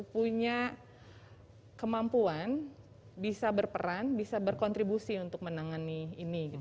punya kemampuan bisa berperan bisa berkontribusi untuk menangani ini